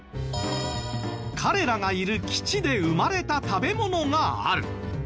彼らがいる基地で生まれた食べ物がある。